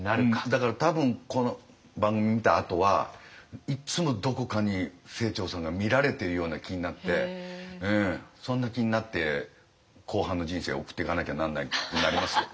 だから多分この番組見たあとはいっつもどこかに清張さんが見られてるような気になってそんな気になって後半の人生送ってかなきゃなんなくなりますよ。